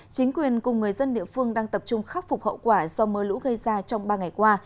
chính quyền cùng người dân địa phương đang tập trung khắc phục hậu quả do mưa lũ gây ra trong ba ngày qua